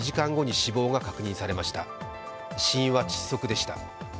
死因は窒息でした。